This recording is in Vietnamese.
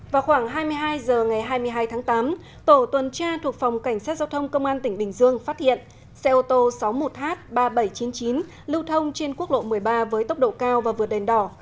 vào khoảng hai mươi hai h ngày hai mươi hai tháng tám tổ tuần tra thuộc phòng cảnh sát giao thông công an tỉnh bình dương phát hiện xe ô tô sáu mươi một h ba nghìn bảy trăm chín mươi chín lưu thông trên quốc lộ một mươi ba với tốc độ cao và vượt đèn đỏ